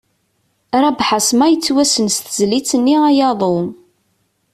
Rabeḥ Ԑesma yettwassen s tezlit-nni “Aya aḍu”.